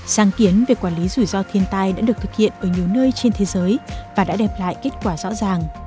sáng kiến về quản lý rủi ro thiên tai đã được thực hiện ở nhiều nơi trên thế giới và đã đẹp lại kết quả rõ ràng